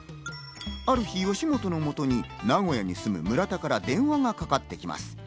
ある日、吉本の元に名古屋に住む村田から電話がかかってきます。